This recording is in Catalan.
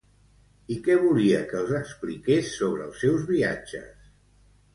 I què volia que els expliqués sobre els seus viatges?